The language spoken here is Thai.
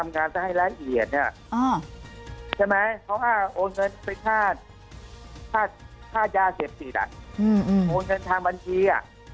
หมายเลขบัญชีพูดตะกรอบเขาอ้างว่าโอนเงินเข้าบัญชี